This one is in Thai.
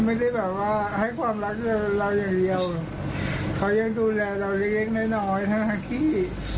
ไม่ได้แบบว่าให้ความรักเราอย่างเดียวเขายังดูแลเราเล็กเล็กน้อยน้อยเท่านั้นพี่